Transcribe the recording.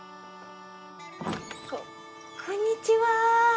ここんにちは。